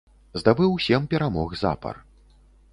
Здабыў сем перамог запар.